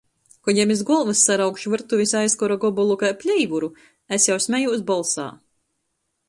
Kod jam iz golvys saraukš vyrtuvis aizkora gobolu kai pleivuru, es jau smejūs bolsā.